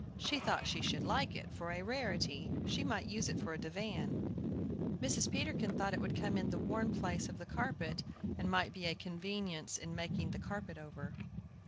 She thought she should like it, for a rarity. She might use it for a divan. Mrs. Peterkin thought it would come in the worn place of the carpet, and might be a convenience in making the carpet over.